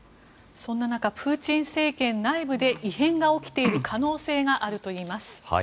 そんな中プーチン政権内部で異変が起きている可能性があるといいます。